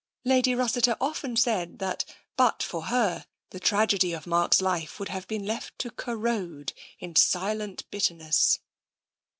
Lady Rossiter often said that, but for her, the tragedy of Mark's life would have been left to corrode in silent bitterness.